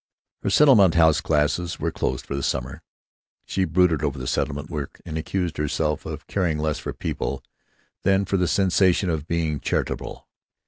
Her settlement house classes were closed for the summer. She brooded over the settlement work and accused herself of caring less for people than for the sensation of being charitable.